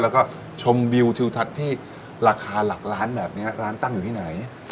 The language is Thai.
แล้วก็ชมวิวทิวทัศน์ที่ราคาหลักล้านแบบนี้ร้านตั้งอยู่ที่ไหน